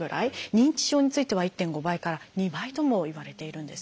認知症については１．５倍から２倍ともいわれているんです。